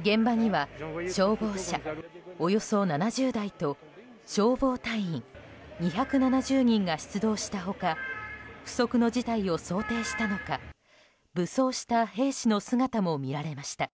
現場には消防車およそ７０台と消防隊員２７０人が出動した他不測の事態を想定したのか武装した兵士の姿も見られました。